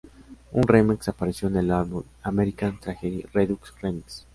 Un remix apareció en el álbum American Tragedy Redux remix.